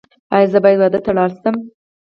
ایا زه باید واده ته لاړ شم؟